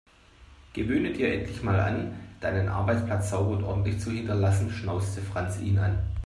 Gewöhne dir endlich mal an, deinen Arbeitsplatz sauber und ordentlich zu hinterlassen, schnauzte Franz ihn an.